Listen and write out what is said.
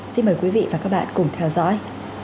xin mời quý vị và các bạn cùng theo dõi